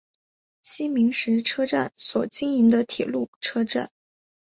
西明石车站所经营的铁路车站。